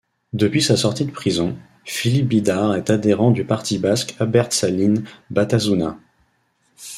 Depuis sa sortie de prison, Philippe Bidart est adhérent du parti basque Abertzaleen Batasuna.